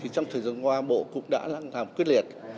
trong thời gian qua bộ cũng đã làm quyết liệt